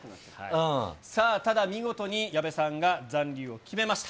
さあ、ただ見事に矢部さんが残留を決めました。